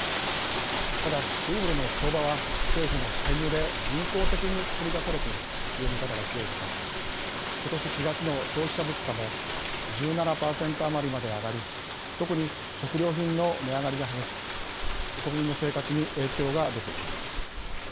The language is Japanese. ただ、ルーブルの相場は政府の介入で人工的につくりだされているという見方が強いほかことし４月の消費者物価も１７％余りまで上がり特に、食料品の値上がりが激しく国民の生活に影響が出ています。